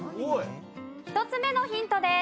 １つ目のヒントです。